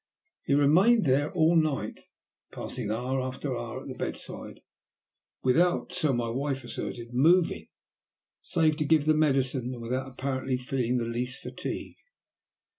He remained there all night, passing hour after hour at the bedside, without, so my wife asserted, moving, save to give the medicine, and without apparently feeling the least fatigue.